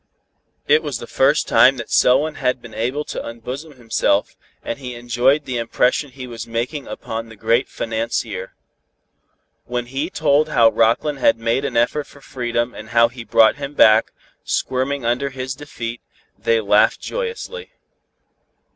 It was the first time that Selwyn had been able to unbosom himself, and he enjoyed the impression he was making upon the great financier. When he told how Rockland had made an effort for freedom and how he brought him back, squirming under his defeat, they laughed joyously.